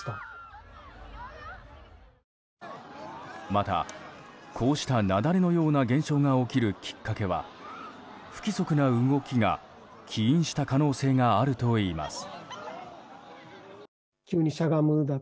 また、こうした雪崩のような現象が起きるきっかけは不規則な動きが起因した可能性があるといいます。